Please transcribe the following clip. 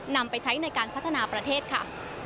นำไปใช้ในการพัฒนาประเทศค่ะ